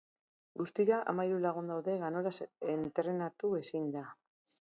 Guztira hamahiru lagun daude ganoraz entrenatu ezinda.